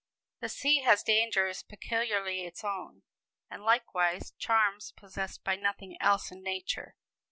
The sea has dangers peculiarly its own, and likewise charms possessed by nothing else in nature.